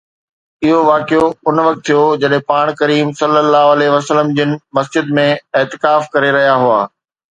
اهو واقعو ان وقت ٿيو جڏهن پاڻ ڪريم ﷺ جن مسجد ۾ اعتکاف ڪري رهيا هئا